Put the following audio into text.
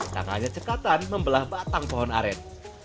tangannya cekatan membelah batang pohon aren